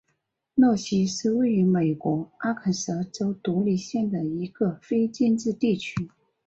罗西是位于美国阿肯色州独立县的一个非建制地区。